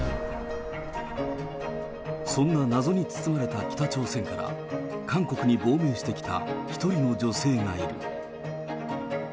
そんな謎に包まれた北朝鮮から、韓国に亡命してきた１人の女性がいる。